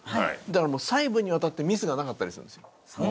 だからもう細部にわたってミスがなかったりするんですよ。